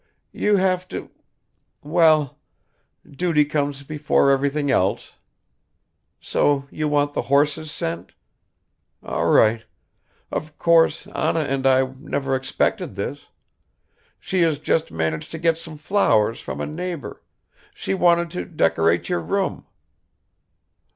"You have to ... Well! Duty comes before everything else ... So you want the horses sent? All right. Of course Anna and I never expected this. She has just managed to get some flowers from a neighbor; she wanted to decorate your room."